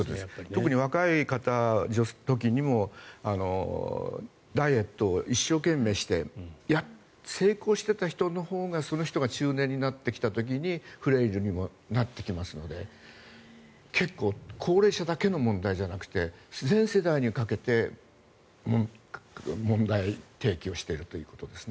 特に若い時にダイエットを一生懸命して成功していた人のほうがその人が中年になってきた時にフレイルにもなってきますので結構高齢者だけの問題じゃなくて全世代にかけて問題提起をしているということです。